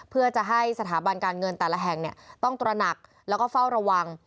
เพื่อจะให้สถาบันการเงินแต่ละแห่งต้องตระหนักแล้วก็เฝ้าระวัง